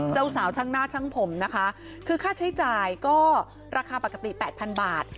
เจ้าสาวช่างหน้าช่างผมนะคะคือค่าใช้จ่ายก็ราคาปกติ๘๐๐บาท